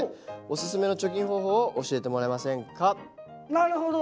なるほど！